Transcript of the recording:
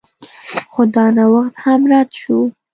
خو دا نوښت هم رد شو